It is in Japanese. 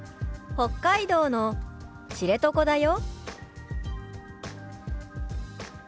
「北海道の知床だよ」。